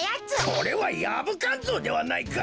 これはヤブカンゾウではないか！